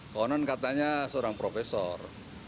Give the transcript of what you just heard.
konon katanya seorang profesor